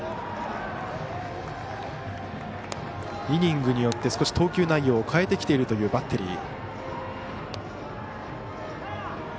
イニングによって少し投球内容を変えてきているというバッテリー。